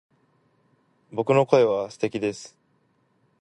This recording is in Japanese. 僕の声は素敵です